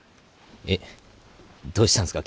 えっどうしたんすか？